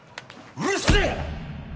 うるせえ！